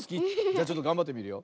じゃちょっとがんばってみるよ。